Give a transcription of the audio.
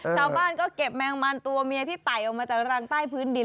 ชาวบ้านก็เก็บแมงมันตัวเมียที่ไต่ออกมาจากรังใต้พื้นดิน